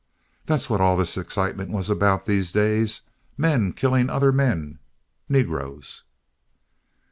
That's what all this excitement was about these days. Men killing other men—negroes.